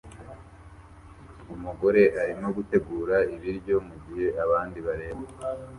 Umugore arimo gutegura ibiryo mugihe abandi bareba